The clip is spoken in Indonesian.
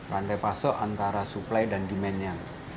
rantai pasok antara suplai dan demennya